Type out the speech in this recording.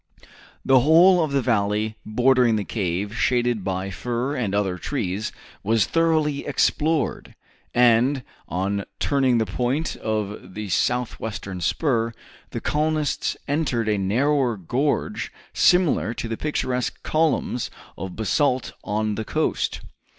The whole of the valley bordering on the cave, shaded by fir and other trees, was thoroughly explored, and on turning the point of the southwestern spur, the colonists entered a narrower gorge similar to the picturesque columns of basalt on the coast.